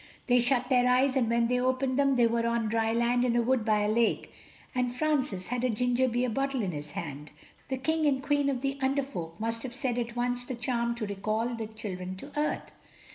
They shut their eyes, and when they opened them they were on dry land in a wood by a lake—and Francis had a ginger beer bottle in his hand. The King and Queen of the Under Folk must have said at once the charm to recall the children to earth.